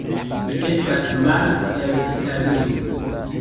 Mi estas Marko el Italio